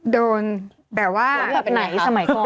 ดูลแปลว่าสมัยไหนสมัยก่อน